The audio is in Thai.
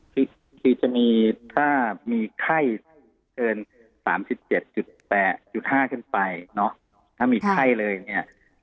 คือจะมีถ้ามีไข้เกิน๓๗๘๕ขึ้นไปเนาะถ้ามีไข้เลยเนี่ย